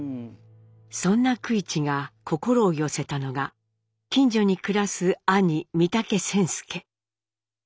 そんな九一が心を寄せたのが近所に暮らす兄三竹仙助。